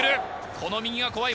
この右が怖い。